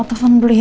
aku telfon dulu ya